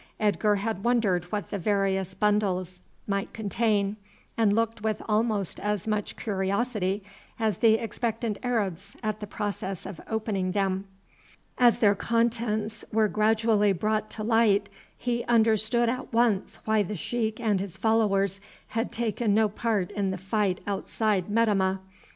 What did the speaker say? Edgar had wondered what the various bundles might contain, and looked with almost as much curiosity as the expectant Arabs at the process of opening them. As their contents were gradually brought to light, he understood at once why the sheik and his followers had taken no part in the fight outside Metemmeh.